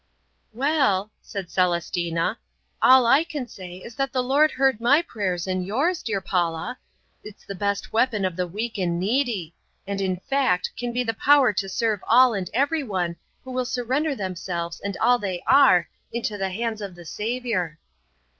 "Well," said Celestina, "all I can say is that the Lord heard my prayers and yours, dear Paula. It's the great weapon of the weak and needy, and in fact can be the power to serve all and anyone who will surrender themselves and all they are into the hands of the Saviour."